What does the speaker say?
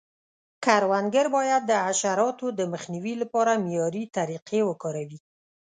کروندګر باید د حشراتو د مخنیوي لپاره معیاري طریقې وکاروي.